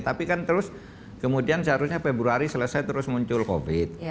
tapi kan terus kemudian seharusnya februari selesai terus muncul covid